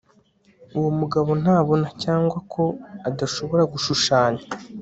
uwo mugabo ntabona, cyangwa ko adashobora gushushanya